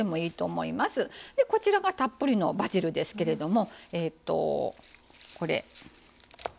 こちらがたっぷりのバジルですけれどもえっとこれ。